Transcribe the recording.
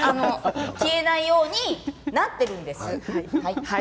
消えないようになっているんです。